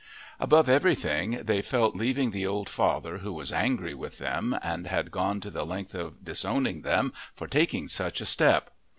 Above everything they felt leaving the old father who was angry with them, and had gone to the length of disowning them for taking such a step.